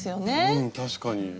うん確かに。